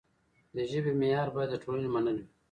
د ژبې معیار باید د ټولنې منل وي.